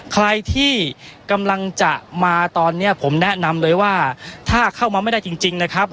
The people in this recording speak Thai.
ใครที่กำลังจะมาตอนนี้ผมแนะนำเลยว่าถ้าเข้ามาไม่ได้จริงนะครับ